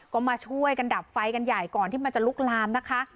ก็มาช่วยกันดับไฟกันใหญ่ก่อนที่มันจะลุกลามนะคะ